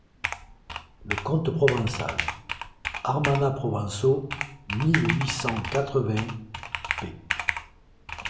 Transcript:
Le conte provençal (_Armana prouvençau_, mille huit cent quatre-vingts, p.